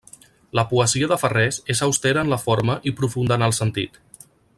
La poesia de Farrés és austera en la forma i profunda en el sentit.